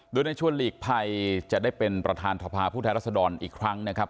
โดยในชวนหลีกภัยจะได้เป็นประธานสภาผู้แทนรัศดรอีกครั้งนะครับ